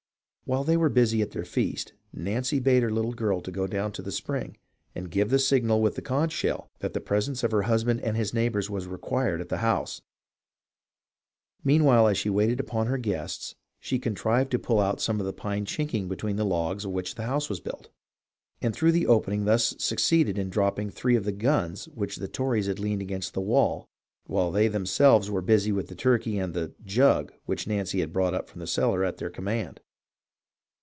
While they were busy at their feast, Nancy bade her little girl go down to the spring and give the signal with the conch shell that the presence of her husband and his neighbours was required at the house. Meanwhile as she waited upon her guests she contrived to pull out some of the pine chinking between the logs of which the house was built, and through the opening thus made succeeded in dropping three of the guns which the Tories had leaned against the wall while they themselves were busy with the turkey and the "jug" which Nancy had brought up from the cellar at their command.